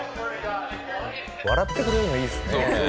笑ってくれるのいいですね。